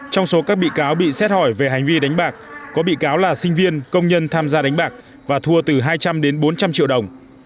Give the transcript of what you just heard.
trong số các bị cáo bị xét hỏi về hành vi đánh bạc có bị cáo là sinh viên công nhân tham gia đánh bạc và thua từ hai trăm linh đến bốn trăm linh triệu đồng